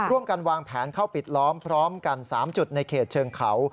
ร่วมกันวางแผนเข้าปิดล้อมพร้อมกัน๓จุดในเขตเชิงเขา